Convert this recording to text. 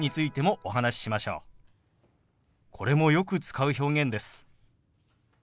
これもよく使う表現です。